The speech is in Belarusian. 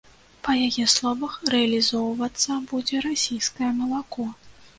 Па яе словах, рэалізоўвацца будзе расійскае малако.